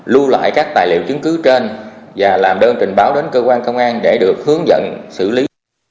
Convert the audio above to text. lưu lại các tài liệu chứng cứ trên và làm đơn trình báo đến cơ quan công an để được hướng dẫn xử lý